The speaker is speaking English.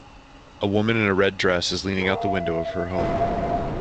A woman in a red dress is leaning out the window of her home.